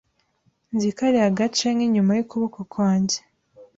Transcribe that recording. Nzi kariya gace nkinyuma yukuboko kwanjye.